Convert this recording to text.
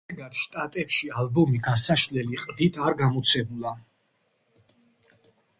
შედეგად, შტატებში ალბომი გასაშლელი ყდით არ გამოცემულა.